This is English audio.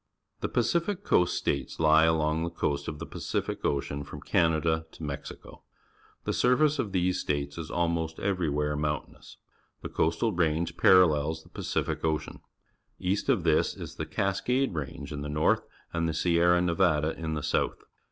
The Pacific Coast States lie along the coast of the Pacific Ocean from Canada to Mexico. The surface of these states is almost every Castle Geyser in Eruption, Yellowstone National Park where mountainous. The Co as t Ran ge paral lels the Pacific Ocean. East of this is the Cascade Range in the north and the Sierra Nevada in the south.